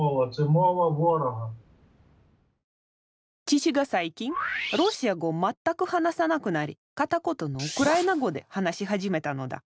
父が最近ロシア語を全く話さなくなり片言のウクライナ語で話し始めたのだ。